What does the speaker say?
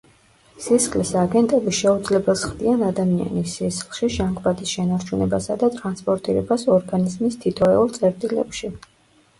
სისხლის აგენტები შეუძლებელს ხდიან ადამიანის სისხლში ჟანგბადის შენარჩუნებასა და ტრანსპორტირებას ორგანიზმის თითოეულ წერტილებში.